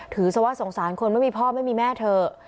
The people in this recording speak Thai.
ถือว่าสงสารคนไม่มีพ่อไม่มีแม่เถอะ